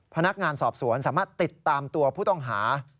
พนักงานสอบสวนสามารถติดตามตัวผู้ต้องหา